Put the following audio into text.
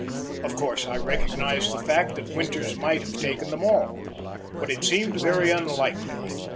Of course I recognized the fact that Winters might have taken them all, but it seemed very unlikely.